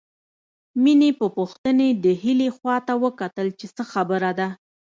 مينې په پوښتنې د هيلې خواته وکتل چې څه خبره ده